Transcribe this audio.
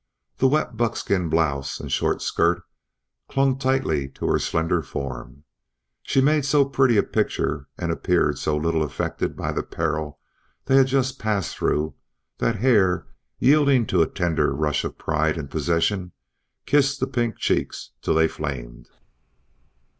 The wet buckskin blouse and short skirt clung tightly to her slender form. She made so pretty a picture and appeared so little affected by the peril they had just passed through that Hare, yielding to a tender rush of pride and possession, kissed the pink cheeks till they flamed.